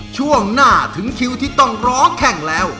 ช่วงหน้าถึงคิวที่ต้องร้องแข่งแล้ว